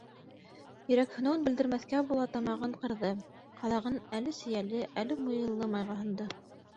Йөрәкһенеүен белдермәҫкә була тамағын ҡырҙы, ҡалағын әле сейәле, әле муйыллы майға һондо: